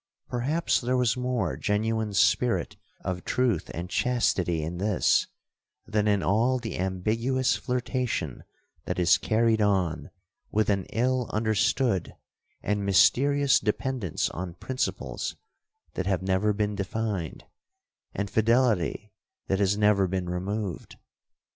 Perhaps there was more genuine spirit of truth and chastity in this, than in all the ambiguous flirtation that is carried on with an ill understood and mysterious dependence on principles that have never been defined, and fidelity that has never been removed.